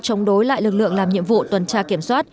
chống đối lại lực lượng làm nhiệm vụ tuần tra kiểm soát